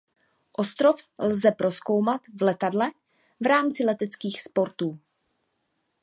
Ostrov lze prozkoumat v letadle v rámci leteckých sportů.